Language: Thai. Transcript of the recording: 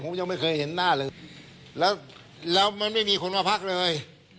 ผมยังไม่เคยเห็นหน้าเลยแล้วมันไม่มีคนมาพักเลย